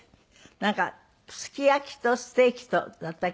なんかすき焼きとステーキとだった？